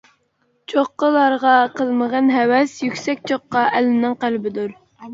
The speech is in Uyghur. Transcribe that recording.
چوققىلارغا قىلمىغىن ھەۋەس، يۈكسەك چوققا ئەلنىڭ قەلبىدۇر.